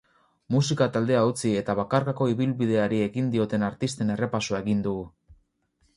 Musika taldea utzi eta bakarkako ibilbideari ekin dioten artisten errepasoa egin dugu.